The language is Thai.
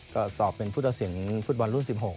ก็สอบเป็นผู้ตัดสินฟุตบอลรุ่น๑๖